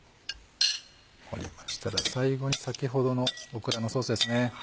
盛りましたら最後に先ほどのオクラのソースですね。